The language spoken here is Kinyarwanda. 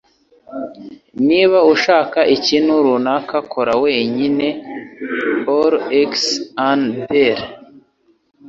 Niba ushaka ikintu runaka, kora wenyine! (al_ex_an_der)